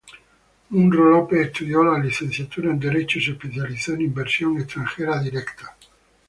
Munro López estudió la licenciatura en derecho y se especializó en Inversión Extranjera Directa.